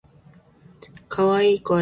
可愛い声です。